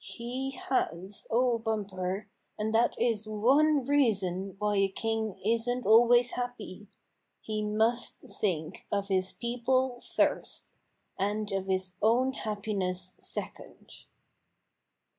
"He has, O Bumper, and that is one reason why a king isn't always happy. He must think of his people first, and of his own happiness second."